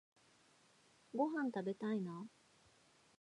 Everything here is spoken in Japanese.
ごはんたべたいな